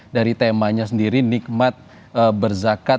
dari temanya sendiri nikmat berzakat